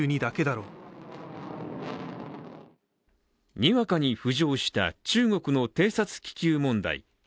にわかに浮上した中国の偵察気球問題。